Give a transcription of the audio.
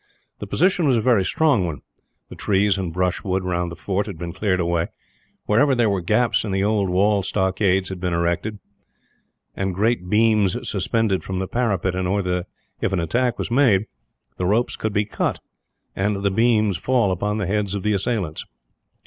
The position was a very strong one. The trees and brushwood round the fort had been cleared away; wherever there were gaps in the old wall stockades had been erected; and great beams suspended from the parapet in order that, if an attack was made, the ropes could be cut and the beams fall upon the heads of the assailants.